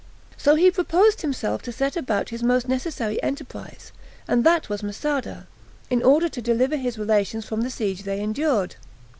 So he proposed to himself to set about his most necessary enterprise, and that was Masada, in order to deliver his relations from the siege they endured.